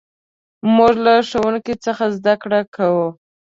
موږ له ښوونکي څخه زدهکړه کوو.